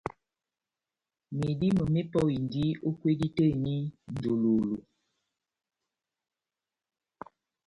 Medímo mepɔhindi o kwedi tɛh eni njololo